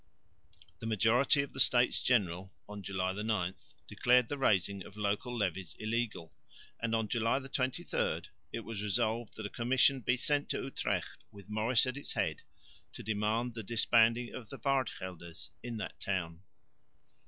The majority of the States General (July 9) declared the raising of local levies illegal, and (July 23) it was resolved that a commission be sent to Utrecht with Maurice at its head to demand the disbanding of the Waardgelders in that town.